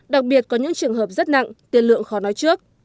đặc biệt có những trường hợp rất nặng tiền lượng khó nói trước